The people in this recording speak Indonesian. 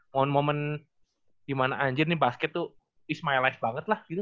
momen momen dimana anjir nih basket tuh is my life banget lah gitu